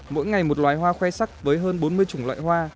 mỗi ngày một loài hoa khoe sắc với hơn bốn mươi chủng loại hoa